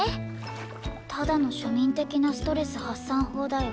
ただの庶民的なストレス発散法だよ。